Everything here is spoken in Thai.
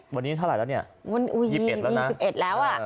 วันนี้เท่าไหร่แล้วเนี่ย๒๑แล้ว